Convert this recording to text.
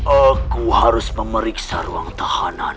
aku harus memeriksa ruang tahanan